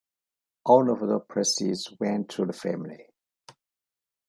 All of the proceeds went to the family.